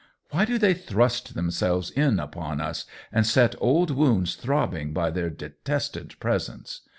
Why do they thrust them selves in upon us and set old wounds throbbing by their detested presence